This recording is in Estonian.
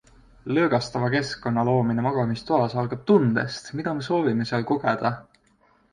Lõõgastava keskkonna loomine magamistoas algab tundest, mida me soovime seal kogeda.